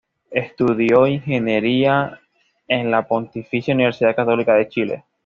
Estudió ingeniería en la Pontificia Universidad Católica de Chile.